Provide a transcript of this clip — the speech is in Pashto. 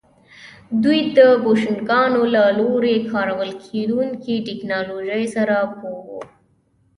دوی د بوشنګانو له لوري کارول کېدونکې ټکنالوژۍ سره پوه وو